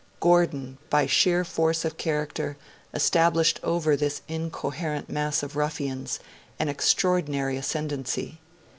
Gordon, by sheer force of character, established over this incoherent mass of ruffians an extraordinary ascendancy.